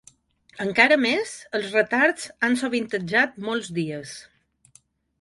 Encara més, els retards han sovintejat molts dies.